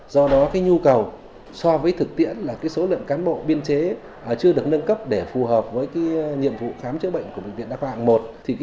do đó nhu cầu so với thực tiễn là số lượng cán bộ biên chế chưa được nâng cấp để phù hợp với nhiệm vụ khám chữa bệnh của bệnh viện đa khoa hạng một